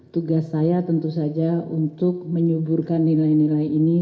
tugas saya tentu saja untuk menyuburkan nilai nilai ini